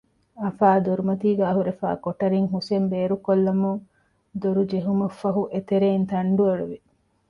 އަފާ ދޮރުމަތީގައި ހުރެފައި ކޮޓަރިން ހުސެން ބޭރުކޮށްލަމުން ދޮރުޖެހުމަށްފަހު އެތެރެއިން ތަންޑު އެޅުވި